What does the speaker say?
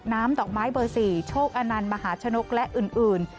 ดอกไม้เบอร์๔โชคอนันต์มหาชนกและอื่น